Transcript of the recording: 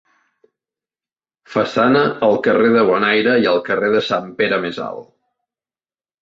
Façana al carrer de Bonaire i al carrer de Sant Pere més Alt.